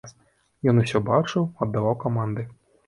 Ён усё бачыў, аддаваў каманды.